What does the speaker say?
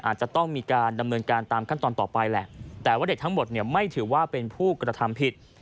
อาจจะต้องมีการดำเนินการตามขั้นตอนต่อไปแหละแต่ว่าเด็กทั้งหมดเนี่ยไม่ถือว่าเป็นผู้กระทำผิด